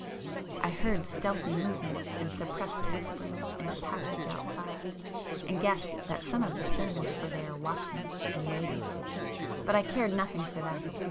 I heard stealthy movements and suppressed whisperings in the passage outside, and [p 398] guessed that some of the servants were there watching and waiting,—but I cared nothing for that.